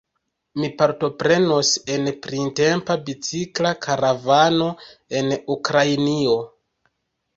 Mi partoprenos en printempa bicikla karavano en Ukrainio.